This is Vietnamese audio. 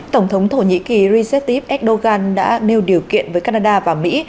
tổng thống thổ nhĩ kỳ recep erdogan đã nêu điều kiện với canada và mỹ